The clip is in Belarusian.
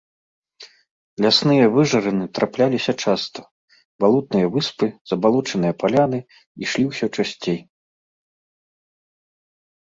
Лясныя выжарыны трапляліся часта, балотныя выспы, забалочаныя паляны ішлі ўсё часцей.